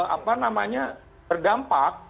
apa namanya berdampak